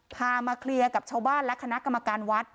มาเคลียร์กับชาวบ้านและคณะกรรมการวัด